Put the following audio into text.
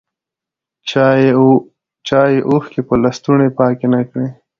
چایې اوښکي په لستوڼي پاکي نه کړې